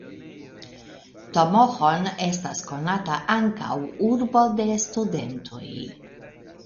Tomohon estas konata ankaŭ "urbo de studentoj".